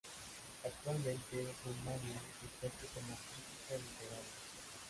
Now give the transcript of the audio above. Actualmente Umaña ejerce como crítica literaria.